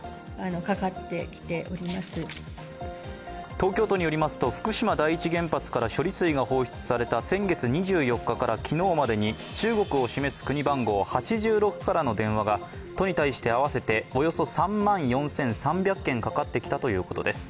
東京都によりますと、福島第一原発から処理水が放出された先月２４日から昨日までに中国を示す国番号８６からの電話が都に対して合わせておよそ３万４３００件かかってきたということです。